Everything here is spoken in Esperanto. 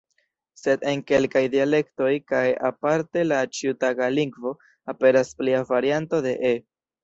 Sed en kelkaj dialektoj kaj parte la ĉiutaga lingvo aperas plia varianto de "e".